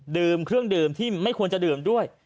ดื่มเครื่องดื่มที่ไม่ควรจะดื่มด้วย